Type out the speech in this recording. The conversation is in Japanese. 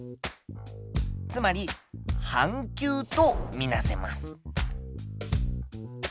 つまり半球とみなせます。